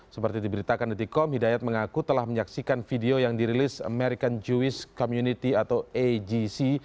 seperti diberitakan detikom hidayat mengaku telah menyaksikan video yang dirilis american jewiss community atau agc